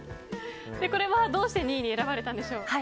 これはどうして２位に選ばれたんでしょうか。